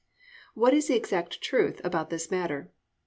What is the exact truth about the matter?